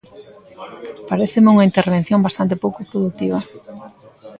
Paréceme unha intervención bastante pouco produtiva.